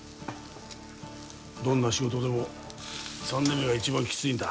どんな仕事でも３年目が一番キツいんだ